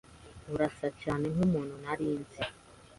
Urasa cyane nkumuntu nari nzi.